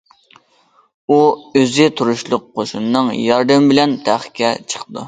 ئۇ ئۆزى تۇرۇشلۇق قوشۇننىڭ ياردىمى بىلەن تەختكە چىقىدۇ.